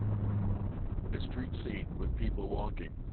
A street scene with people walking.